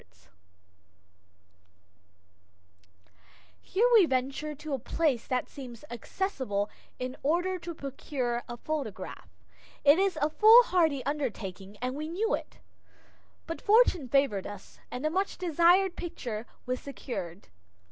[Illustration: SEA GULL ROCK] Here we venture to a place that seems accessible in order to procure a photograph. It was a foolhardy undertaking, and we knew it. But fortune favored us, and the much desired picture was secured.